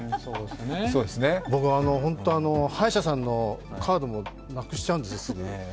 僕、ホント、歯医者さんのカードもなくしちゃうんですよ、すぐ。